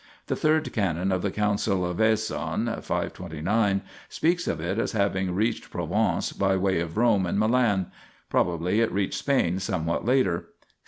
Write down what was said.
The 3rd Canon of the Council of Vaison (529) speaks of it as having reached Provence by way of Rome and Milan : probably it reached Spain somewhat later.